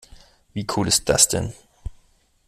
Wie cool ist das denn?